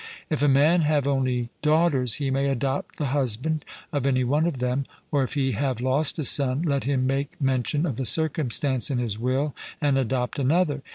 If a man have only daughters, he may adopt the husband of any one of them; or if he have lost a son, let him make mention of the circumstance in his will and adopt another.